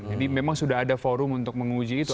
jadi memang sudah ada forum untuk menguji itu